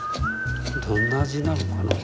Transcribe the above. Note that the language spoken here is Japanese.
どんな味になるんかな？